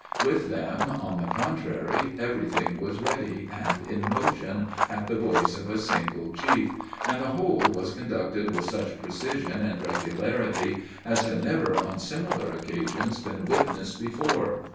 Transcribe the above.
With them, on the contrary, every thing was ready, and in motion, at the voice of a single chief; and the whole was conducted with such precision and regularity as had never on similar occasions, been witnessed before.